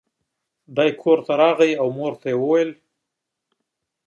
دی کور ته راغی او مور ته یې وویل.